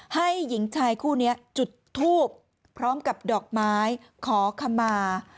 หญิงชายคู่นี้จุดทูบพร้อมกับดอกไม้ขอขมา